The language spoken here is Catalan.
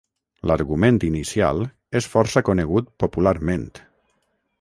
L'argument inicial és força conegut popularment.